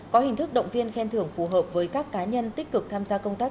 có hình thức động viên khen thưởng phù hợp với các cá nhân tích cực tham gia công tác